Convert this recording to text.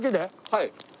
はい。